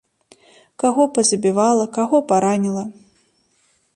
Каго пазабівала, каго параніла.